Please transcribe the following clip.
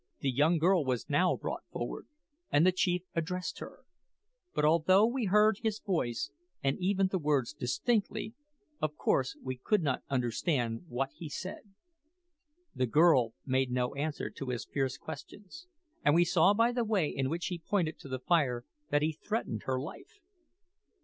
The young girl was now brought forward, and the chief addressed her; but although we heard his voice and even the words distinctly, of course we could not understand what he said. The girl made no answer to his fierce questions, and we saw by the way in which he pointed to the fire that he threatened her life.